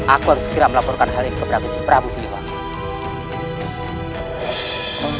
aku harus segera melaporkan hal ini ke prabu siliwan